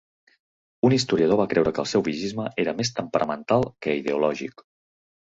Un historiador va creure que el seu whigisme era més temperamental que ideològic.